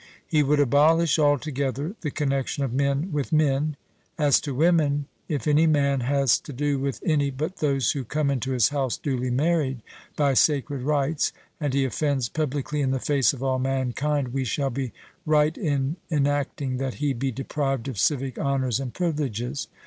He would abolish altogether 'the connexion of men with men...As to women, if any man has to do with any but those who come into his house duly married by sacred rites, and he offends publicly in the face of all mankind, we shall be right in enacting that he be deprived of civic honours and privileges.'